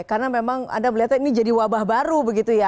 karena memang anda melihatnya ini jadi wabah baru begitu ya